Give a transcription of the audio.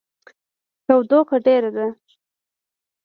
تودوخه ډیره ده